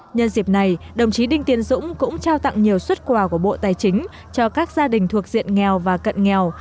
nhân dịp này đồng chí đinh tiên dũng cũng trao tặng nhiều xuất quà của bộ tài chính cho các gia đình thuộc diện nghèo và cận nghèo